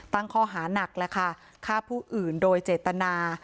ตั้งข้อหานักแล้วค่ะฆ่าผู้อื่นโดยเจตนา